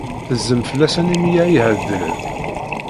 Tezzem fell-asen imi ay ɛeḍḍlen.